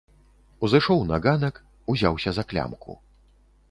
Узышоў на ганак, узяўся за клямку.